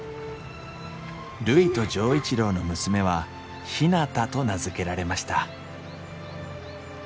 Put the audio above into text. るいと錠一郎の娘はひなたと名付けられました